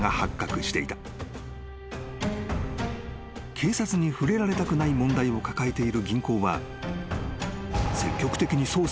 ［警察に触れられたくない問題を抱えている銀行は］